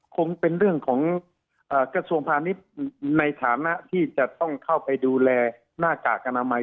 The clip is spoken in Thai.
คงเป็นเรื่องของกระทรวงพาณิชย์ในฐานะที่จะต้องเข้าไปดูแลหน้ากากอนามัย